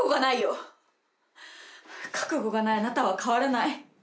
覚悟がないあなたは変わらない。